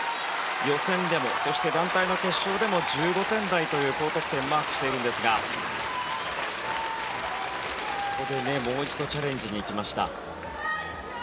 予選でも、そして団体の決勝でも１５点台という高得点をマークしているんですがここでもう一度チャレンジに行きました。